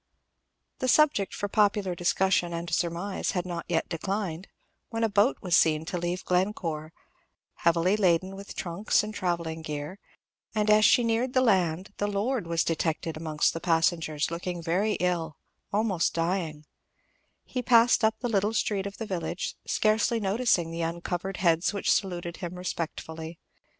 The subject for popular discussion and surmise had not yet declined, when a boat was seen to leave Glencore, heavily laden with trunks and travelling gear; and as she neared the land, the "lord" was detected amongst the passengers, looking very ill, almost dying; he passed up the little street of the village, scarcely noticing the uncovered heads which saluted him respectfully.